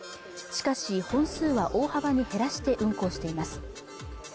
しかし本数は大幅に減らして運行しています